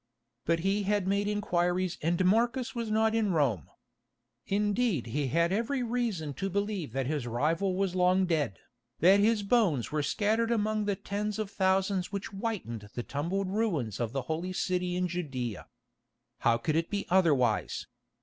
But he had made inquiries and Marcus was not in Rome. Indeed he had every reason to believe that his rival was long dead, that his bones were scattered among the tens of thousands which whitened the tumbled ruins of the Holy City in Judæa. How could it be otherwise?